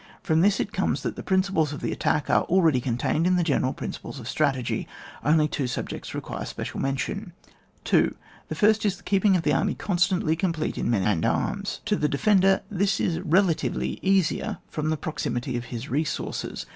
From this it comes that the principles of the attack are already contained in the general principles of strategy. Only two subjects require special mention. 2. The first is the keeping the army constantly complete in men and arms. To the defender, this is relatively easier, from the proximity of his resources.